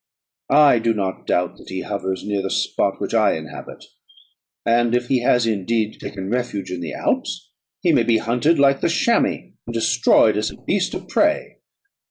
"I do not doubt that he hovers near the spot which I inhabit; and if he has indeed taken refuge in the Alps, he may be hunted like the chamois, and destroyed as a beast of prey.